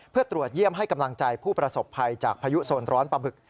เพื่อตรวจเยี่ยมให้กำลังใจผู้ประสบภัยจากพายุโซนร้อนปลาบึก